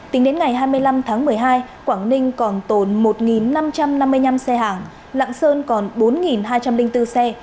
tính đến ngày hai mươi năm tháng một mươi hai quảng ninh còn tồn một năm trăm năm mươi năm xe hàng lạng sơn còn bốn hai trăm linh bốn xe